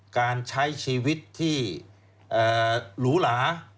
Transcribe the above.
การใช้ชีวิตที่หรูหลา